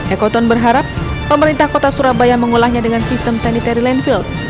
ekoton berharap pemerintah kota surabaya mengolahnya dengan sistem sanitary landfill